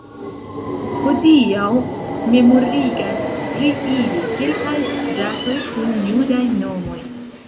Hodiaŭ memorigas pri ili kelkaj stratoj kun judaj nomoj.